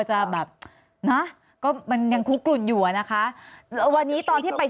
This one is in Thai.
จะแบบนะก็มันยังคุกกลุ่นอยู่อะนะคะวันนี้ตอนที่ไป